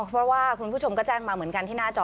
เพราะว่าคุณผู้ชมก็แจ้งมาเหมือนกันที่หน้าจอ